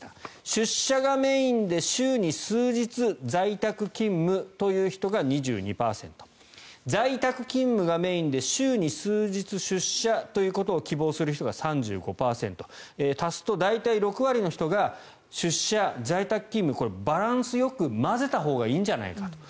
出社がメインで、週に数日在宅勤務という人が２２％在宅勤務がメインで週に数日出社ということを希望する人が３５％足すと大体６割の人が出社、在宅勤務をバランスよく混ぜたほうがいいんじゃないかと。